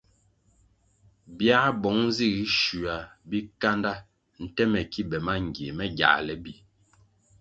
Biā bong zig schua bikanda nte me ki be mangie me giāle bi.